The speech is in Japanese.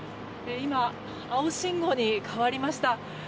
今、青信号に変わりました。